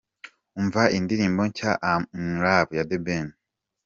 Umva indirimbo nshya I Am In Love ya The Ben.